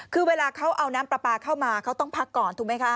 คือเวลาเขาเอาน้ำปลาปลาเข้ามาเขาต้องพักก่อนถูกไหมคะ